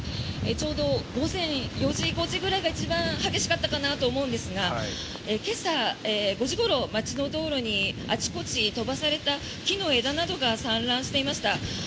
ちょうど午前４時、５時くらいが一番激しかったかなと思うんですが今朝５時ごろ、街の道路にあちこち飛ばされた木の枝などが散乱していました。